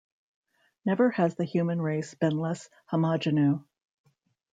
Never has the human race been less homogenou.